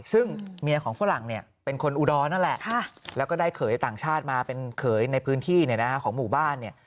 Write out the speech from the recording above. ซึ่งเมียของฝรั่งเนี่ยเป็นคนอุดรนั่นแหละแล้วก็ได้เขยต่างชาติมาเป็นเขยในพื้นที่ของหมู่บ้านเนี่ย